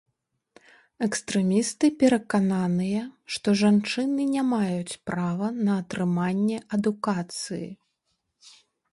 Экстрэмісты перакананыя, што жанчыны не маюць права на атрыманне адукацыі.